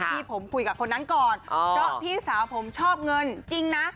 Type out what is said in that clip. ที่ผมคุยกับคนนั้นก่อนเพราะพี่สาวผมชอบเงินจริงนะ